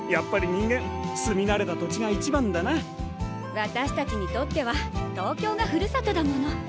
私たちにとっては東京がふるさとだもの。